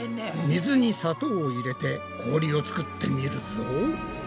水に砂糖を入れて氷を作ってみるぞ。